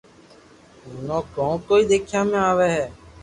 منو ڪون ڪوئي ديکيا ۾ آوي ھي